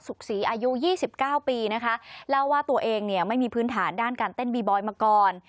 ศุกษีอายุ๒๙ปีนะคะแล้วว่าตัวเองไม่มีพื้นฐานด้านการเต้นบีบอยมาก่อน